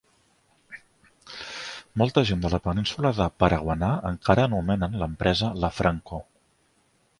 Molta gent de la península de Paraguaná encara anomenen l'empresa "La Franco".